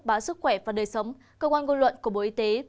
báo sức khỏe và đời sống cơ quan ngôn luận của bộ y tế